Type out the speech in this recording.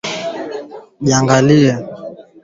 viazi lishe Vikiiva ipua na kukausha mafuta